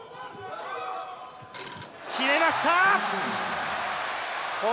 決めました！